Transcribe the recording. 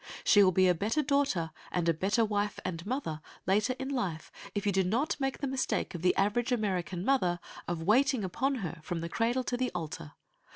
She will be a better daughter, and a better wife and mother, later in life, if you do not make the mistake of the average American mother of waiting upon her from the cradle to the altar.